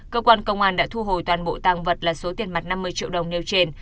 cơ quan công an đã thu hồi toàn bộ tàng vật là số tiền mặt năm mươi triệu đồng nêu trên